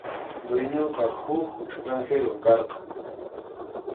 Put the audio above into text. Dueñonqa huk extranjerom karqan.